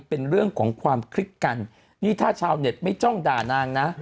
เป็นเรื่องของความคลิกกันนี่ถ้าชาวเน็ตไม่จ้องด่านางนะ